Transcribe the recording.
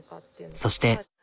そして。